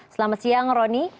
selamat siang roni